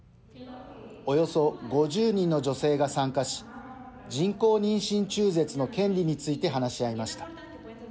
およそ５０人の女性が参加し人工妊娠中絶の権利について話し合いました。